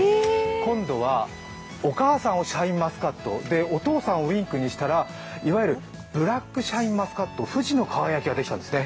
今度はお母さんをシャインマスカット、お父さんをウインクにしたらいわゆるブラックシャインマスカット富士の輝ができたんですね。